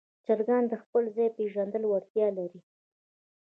چرګان د خپل ځای پېژندلو وړتیا لري.